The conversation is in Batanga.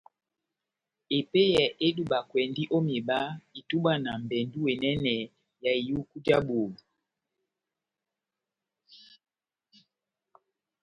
Epeyɛ edubakwɛndi o miba itubwa na mbendu enɛnɛ ya ihuku ja boho.